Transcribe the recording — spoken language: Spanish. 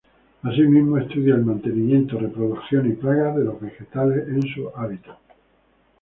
Asimismo, estudia el mantenimiento, reproducción y plagas de los vegetales en sus hábitat.